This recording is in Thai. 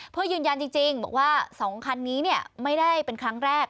เพื่อยืนยันจริงบอกว่า๒คันนี้ไม่ได้เป็นครั้งแรก